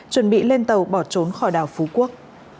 chuẩn bị lên tàu bỏ trốn khỏi đảo phú quốc